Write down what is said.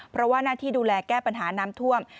เพราะว่าหน้าที่ดูแลแก้ปัญหาน้ำท่วม